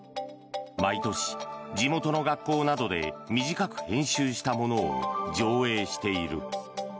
毎年、地元の学校などで短く編集したものを上映している。